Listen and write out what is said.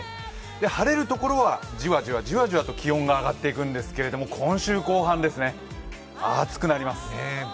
晴れる所はじわじわと気温が上がっていくんですけれども今週後半ですね、暑くなります。